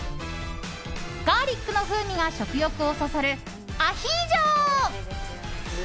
ガーリック風味が食欲をそそるアヒージョ。